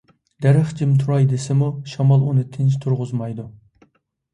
دەرەخ جىم تۇراي دېسىمۇ، شامال ئۇنى تىنچ تۇرغۇزمايدۇ.